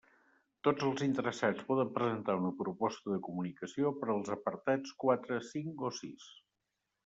Tots els interessats poden presentar una proposta de comunicació per als apartats quatre, cinc o sis.